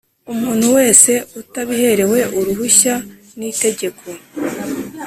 Umuntu wese utabiherewe uruhushya nitegeko